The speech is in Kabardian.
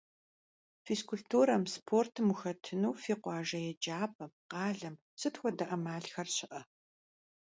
Физкультурэм, спортым ухэтыну фи къуажэ еджапӀэм, къалэм сыт хуэдэ Ӏэмалхэр щыӀэ?